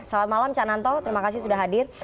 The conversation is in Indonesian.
selamat malam cak nanto terima kasih sudah hadir